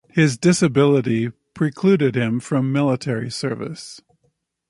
His disability precluded him from military service.